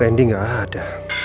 rendy gak ada